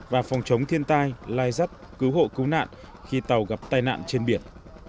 và phòng chống thiên tai lai dắt cứu hộ cứu nạn khi tàu gặp tai nạn trên biển